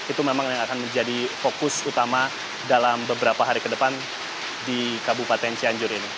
itu memang yang akan menjadi fokus utama dalam beberapa hari ke depan di kabupaten cianjur ini